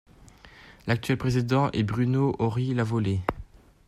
L'actuel président est Bruno Ory-Lavollée.